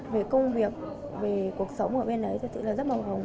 về công việc về cuộc sống ở bên ấy rất là màu hồng